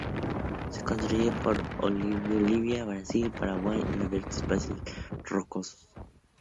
Se distribuye por Bolivia, Brasil, Paraguay en abiertos espacios rocosos.